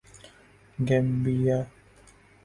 Gambia